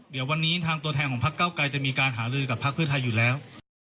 เดี๋ยววันนี้ทางตัวแทนของพักเก้าไกรจะมีการหาลือกับพักเพื่อไทยอยู่แล้ว